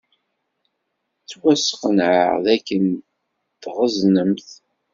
Ttwasqenɛeɣ dakken tɣeẓnemt.